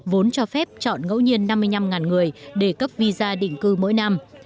vốn cho phép chọn ngẫu nhiên năm mươi năm người để cấp visa định cư mỗi năm